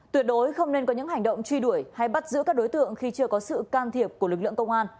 tuyệt đối không nên có những hành động truy đuổi hay bắt giữ các đối tượng khi chưa có sự can thiệp của lực lượng công an